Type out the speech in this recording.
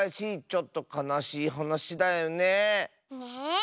ちょっとかなしいはなしだよねえ。